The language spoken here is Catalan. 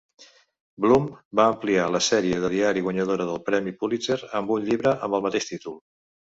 Blum va ampliar la sèrie de diari guanyadora del premi Pulitzer amb un llibre amb el mateix títol.